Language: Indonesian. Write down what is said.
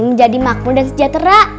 menjadi makmur dan sejahtera